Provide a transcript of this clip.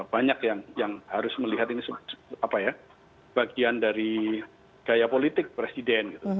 banyak yang harus melihat ini bagian dari gaya politik presiden